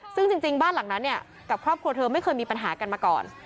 ซึ่งจริงบ้านหลังนั้นเนี่ยกับครอบครัวเธอไม่เคยมีปัญหากันมาก่อน